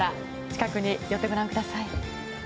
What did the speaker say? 近くに寄ってご覧ください。